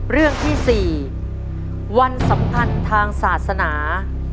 เรื่องที่๔วันสัมพันธ์ทางศาสนา